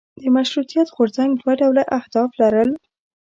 د مشروطیت غورځنګ دوه ډوله اهداف لرل.